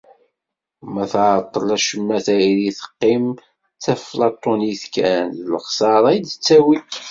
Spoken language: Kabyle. Ma tεeṭṭel acemma tayri teqqim taflaṭunit kan, d lexsara i d-tettawi.